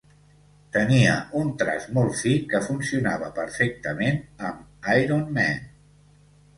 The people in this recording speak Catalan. Tenia un traç molt fi, que funcionava perfectament amb "Iron Man".